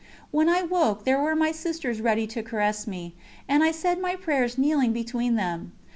When I woke there were my sisters ready to caress me, and I said my prayers kneeling between them.